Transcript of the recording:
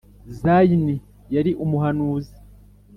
Zayini yari umuhanuzi